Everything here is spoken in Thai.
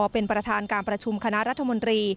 เป็นประธานการประชุมคณะรัฐมนตรี